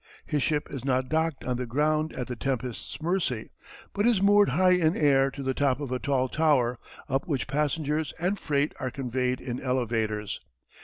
His ship is not docked on the ground at the tempest's mercy, but is moored high in air to the top of a tall tower up which passengers and freight are conveyed in elevators.